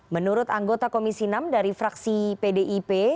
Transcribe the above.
menurut anggota komisi enam dari fraksi pdip